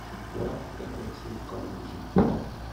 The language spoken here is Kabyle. Wa d akersi n Kenji.